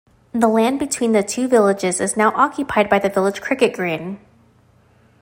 The land between the two villages is now occupied by the village cricket green.